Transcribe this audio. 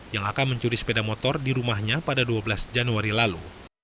yang akan mencuri sepeda motor di rumahnya pada dua belas januari lalu